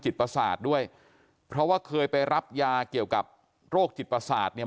จิตปศาสตร์ด้วยเพราะว่าเคยไปรับยาเกี่ยวกับโรคจิตปศาสตร์เนี่ย